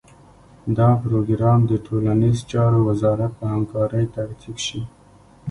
دا پروګرام د ټولنیزو چارو وزارت په همکارۍ ترتیب شي.